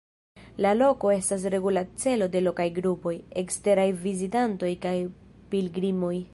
La loko estas regula celo de lokaj grupoj, eksteraj vizitantoj kaj pilgrimoj.